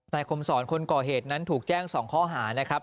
คมสอนคนก่อเหตุนั้นถูกแจ้ง๒ข้อหานะครับ